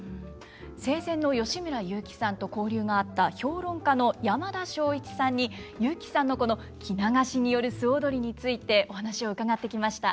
生前の吉村雄輝さんと交流があった評論家の山田庄一さんに雄輝さんのこの着流しによる素踊りについてお話を伺ってきました。